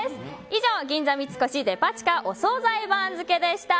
以上、銀座三越デパ地下お総菜番付でした。